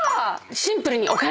シンプルにお金！